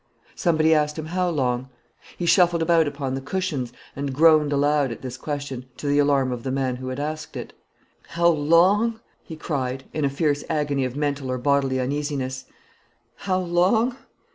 Somebody asked him how long. He shuffled about upon the cushions, and groaned aloud at this question, to the alarm of the man who had asked it. "How long?" he cried, in a fierce agony of mental or bodily uneasiness; "how long?